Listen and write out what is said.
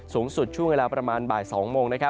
สูงสุดช่วงเวลาประมาณบ่าย๒โมง